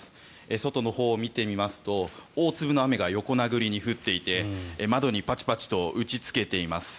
外のほうを見てみますと大粒の雨が横殴りに降っていて窓にパチパチと打ちつけています。